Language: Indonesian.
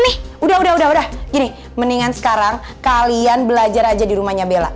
nih udah udah gini mendingan sekarang kalian belajar aja di rumahnya bella